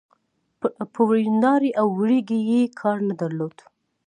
په وريندارې او ورېرې يې کار نه درلود.